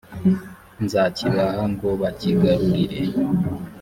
nzakibaha ngo bakigarurire.»